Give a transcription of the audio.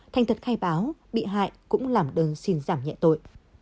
thành thật khai báo bị hại cũng làm đơn xin giảm nhẹ tội